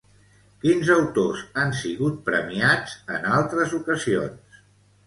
Quins autors han sigut premiats en altres ocasions?